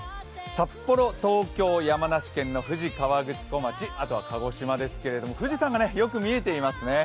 札幌、東京、山梨県の富士河口湖町、あとは鹿児島ですけど、富士山がよく見えてますね。